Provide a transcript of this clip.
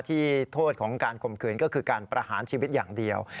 โทษของการข่มขืนก็คือการประหารชีวิตอย่างเดียว